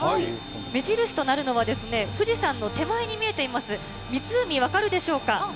目印となるのは、富士山の手前に見えています湖、分かるでしょうか。